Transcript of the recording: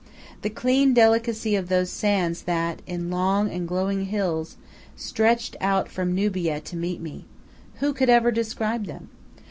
The clean delicacy of those sands that, in long and glowing hills, stretched out from Nubia to meet me, who could ever describe them?